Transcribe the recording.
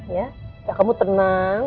ya kamu tenang